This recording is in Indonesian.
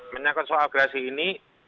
menyangkut soal grasi ini